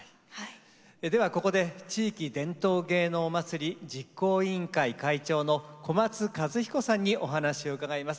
ではここで「地域伝統芸能まつり」実行委員会会長の小松和彦さんにお話を伺います。